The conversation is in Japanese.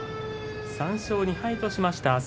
３勝２敗としました